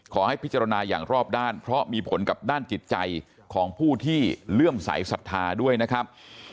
ขอให้พิจารณาอย่างรอบด้านเพราะมีผลกับด้านจิตใจของผู้ที่เลื่อมใสสัทธาด้วยนะครับ